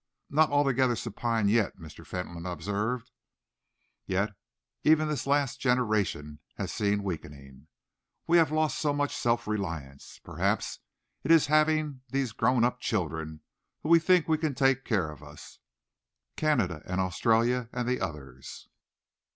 "Not altogether supine yet," Mr. Fentolin observed, "yet even this last generation has seen weakening. We have lost so much self reliance. Perhaps it is having these grown up children who we think can take care of us Canada and Australia, and the others.